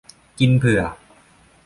กินเผื่อ